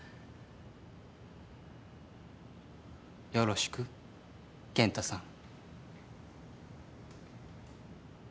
よろしく健太さん。